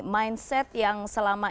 mindset yang selama